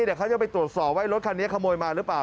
เดี๋ยวเขาจะไปตรวจสอบว่ารถคันนี้ขโมยมาหรือเปล่า